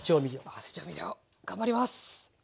合わせ調味料頑張ります。